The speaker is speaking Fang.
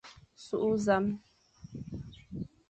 Sughʼé zame,